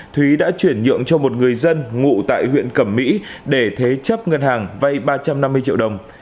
thúy đã chuyển nhượng cho một người dân ngụ tại huyện cẩm mỹ để thế chấp ngân hàng vay ba trăm năm mươi triệu đồng